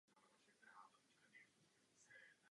Do reprezentačních výběrů se nikdy nedostal.